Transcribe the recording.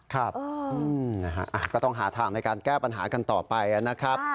ครับก็ต้องหาทางในการแก้ปัญหากันต่อไปนะครับ